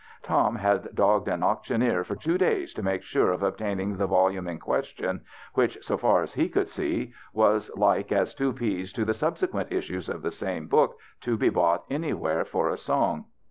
Tom had dogged an auctioneer for two days to make sure of obtaining the volume in question, which, so far as he could see, was like as two peas to the subsequent issues of ihe same book to be bought anywhere for a song.